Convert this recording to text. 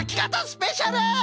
スペシャル！